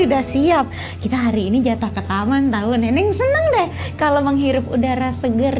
udah siap kita hari ini jatah ke taman tahu neneng senang deh kalau menghirup udara segar